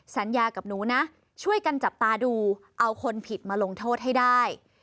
สัญญากับหนูนะช่วยกันจับตาดูเอาคนผิดมาลงโทษให้ได้